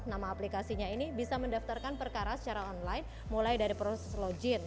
nama aplikasinya ini bisa mendaftarkan perkara secara online mulai dari proses login